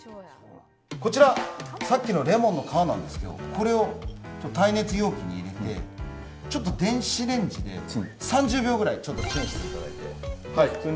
こちらさっきのレモンの皮なんですけどこれを耐熱容器に入れてちょっと電子レンジで３０秒くらいチンしていただいて。